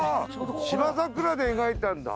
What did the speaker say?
芝桜で描いたんだ。